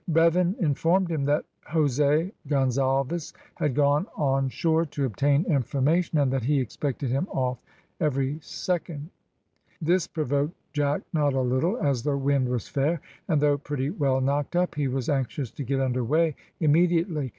Bevan informed him that Jose Gonzalves had gone on shore to obtain information, and that he expected him off every instant. This provoked Jack not a little, as the wind was fair, and though pretty well knocked up, he was anxious to get under weigh immediately.